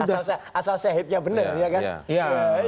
asal sahitnya benar ya kan